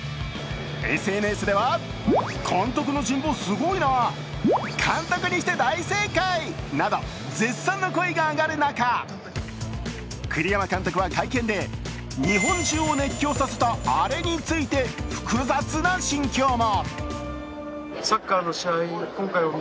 ＳＮＳではなど、絶賛の声が上がる中栗山監督は会見で、日本中を熱狂させたアレについて複雑な心境も。